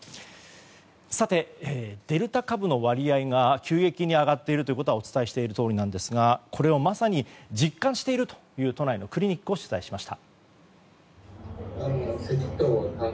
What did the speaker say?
さて、デルタ株の割合が急激に上がっていることはお伝えしているとおりですがこれをまさに実感しているという都内のクリニックを取材しました。